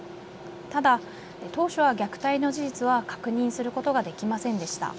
ただ当初は虐待の事実は確認することができませんでした。